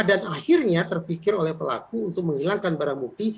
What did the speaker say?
dan akhirnya terpikir oleh pelaku untuk menghilangkan barang bukti